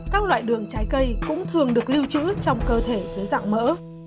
các loại đường trái cây cũng thường được lưu trữ trong cơ thể dưới dạng mỡ